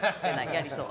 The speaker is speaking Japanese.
やりそう。